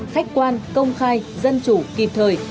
khách quan công khai dân chủ kịp thời